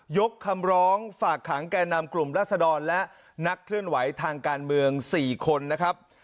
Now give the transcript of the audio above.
ยกคำร้องฝากขังแก่นำกลุ่มรัศดรและนักเคลื่อนไหวทางการเมือง๔คนนะครับ